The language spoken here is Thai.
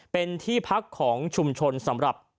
เป็นที่พักของชุมชนสำหรับ